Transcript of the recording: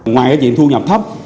ngoài chuyện thu nhập thấp